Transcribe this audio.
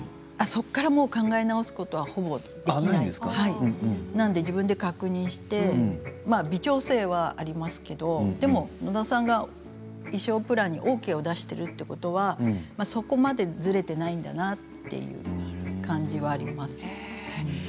そこから考え直すことはほぼないんですけど自分で確認をして微調整はありますけどでも野田さんが衣装プランにＯＫを出しているということはそこまで、ずれていないんだなという感じがありますね。